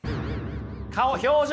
顔表情